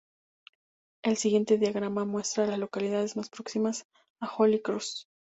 El siguiente diagrama muestra a las localidades más próximas a Holy Cross.